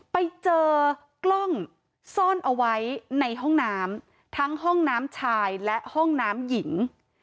ไปเจอกล้องซ่อนเอาไว้ในห้องน้ำทั้งห้องน้ำชายและห้องน้ำหญิง